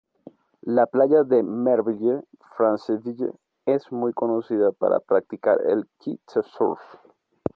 La playa de Merville-Franceville es muy conocida para practicar el kitesurf.